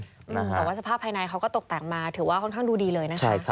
แต่ว่าสภาพภายในเขาก็ตกแต่งมาถือว่าค่อนข้างดูดีเลยนะคะ